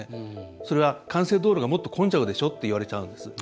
それは幹線道路がもっと混んじゃうでしょと言われちゃうんです。